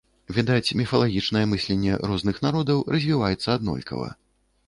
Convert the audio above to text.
Відаць, міфалагічнае мысленне розных народаў развіваецца аднолькава.